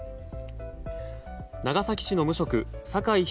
長崎市の無職酒井仁